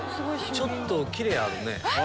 ちょっと切れあるね。